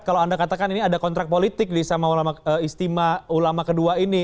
kalau anda katakan ini ada kontrak politik di istimewa ulama kedua ini